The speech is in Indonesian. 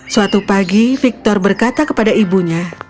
suatu pagi victor berkata kepada ibunya